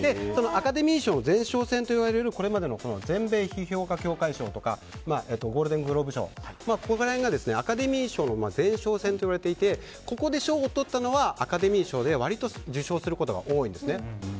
アカデミー賞前哨戦といわれるこれまでの全米批評家協会賞ですとかゴールデングローブ賞らへんがアカデミー賞の前哨戦とされていてここで賞をとったものがアカデミー賞で割と受賞することが多いんです。